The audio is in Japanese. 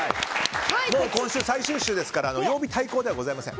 今週最終週ですから曜日対抗ではございません。